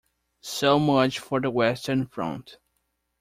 So much for the western front.